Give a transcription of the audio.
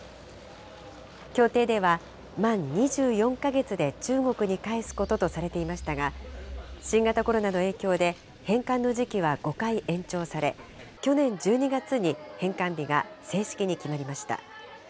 協定では、満２４か月で中国に返すこととされていましたが、新型コロナの影響で返還の時期は５回延長され、去年１２月に返還日が正式に決まりました。